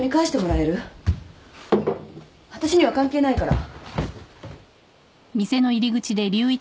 わたしには関係ないから。